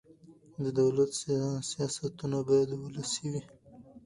د دولت سیاستونه باید ولسي وي